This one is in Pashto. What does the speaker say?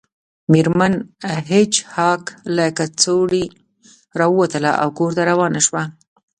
میرمن هیج هاګ له کڅوړې راووتله او کور ته روانه شوه